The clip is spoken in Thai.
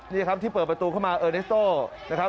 นี่ครับที่เปิดประตูเข้ามาเออเนสโต้นะครับ